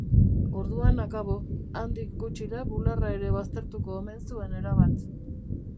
Orduan akabo, handik gutxira bularra ere baztertuko omen zuen erabat.